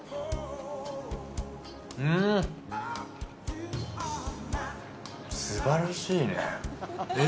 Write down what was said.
うん、すばらしいねえ。